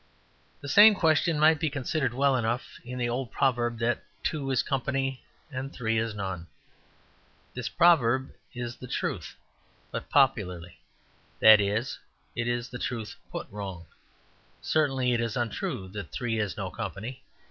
The same question might be considered well enough in the old proverb that two is company and three is none. This proverb is the truth put popularly: that is, it is the truth put wrong. Certainly it is untrue that three is no company.